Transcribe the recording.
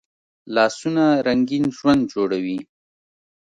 لاسونه رنګین ژوند جوړوي